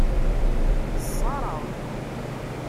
Ẓẓareɣ-t.